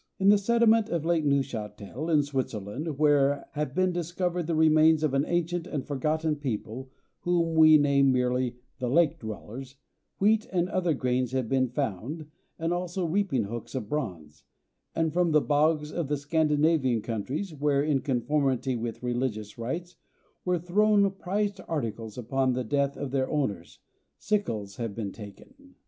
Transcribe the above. In the sediment of Lake Neuchatel, in Switzerland, where have been discovered the remains of an ancient and forgotten people, whom we name merely "the Lake Dwellers," wheat and other grains have been found, and also reaping hooks of bronze; and from the bogs of the Scandinavian countries, where, in conformity with religious rites, were thrown prized articles, upon the death of their owners, sickles have been taken.